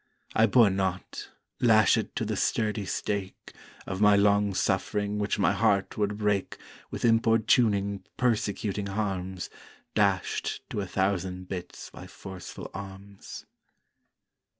I bore not, lashèd to the sturdy stake, Of my long suffering, which my heart would break With importuning persecuting harms Dasht to a thousand bits by forceful arms.